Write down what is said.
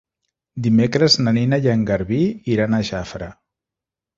Dimecres na Nina i en Garbí iran a Jafre.